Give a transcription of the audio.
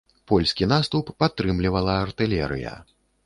Польскі наступ падтрымлівала артылерыя.